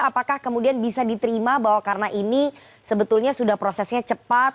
apakah kemudian bisa diterima bahwa karena ini sebetulnya sudah prosesnya cepat